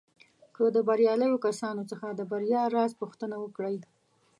که د برياليو کسانو څخه د بريا راز پوښتنه وکړئ.